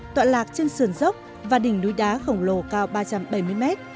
tọa lạc trên sườn dốc và đỉnh núi đá khổng lồ cao ba trăm bảy mươi mét